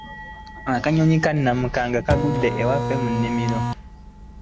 Akanyonyi ka namunkanga kaagudde ewaffe mu nnimiro.